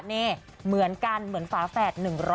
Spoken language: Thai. นี่เหมือนกันเหมือนฝาแฝด๑๐๐